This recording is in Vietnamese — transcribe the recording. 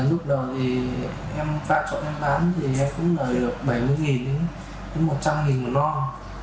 lúc đầu em phá trộn em bán thì em cũng lợi được bảy mươi đến một trăm linh lon